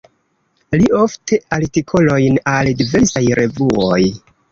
Li ofte verkis artikolojn al diversaj revuoj.